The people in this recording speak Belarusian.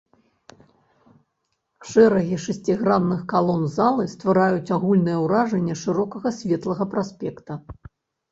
Шэрагі шасцігранных калон залы ствараюць агульнае ўражанне шырокага светлага праспекта.